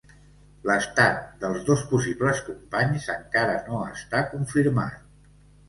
L'estat dels dos possibles companys encara no està confirmat.